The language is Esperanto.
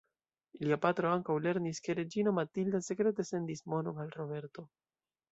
Lia patro ankaŭ lernis ke Reĝino Matilda sekrete sendis monon al Roberto.